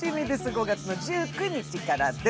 ５月１９日からです。